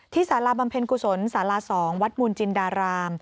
สาราบำเพ็ญกุศลศาลา๒วัดมูลจินดาราม